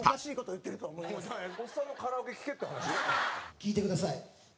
聴いてください